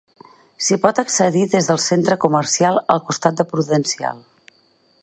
S'hi pot accedir des del centre comercial al costat de Prudential.